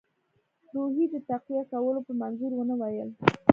روحیې د تقویه کولو په منظور ونه ویل.